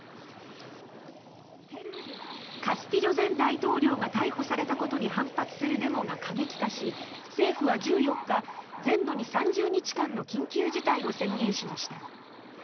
ペルーではカスティジョ前大統領が逮捕されたことに反発するデモが過激化し政府は１４日、全土に３０日間の緊急事態を宣言しました。